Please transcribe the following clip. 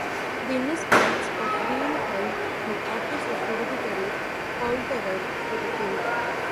The Nisbets of Dean held the office of Hereditary Poulterer to the King.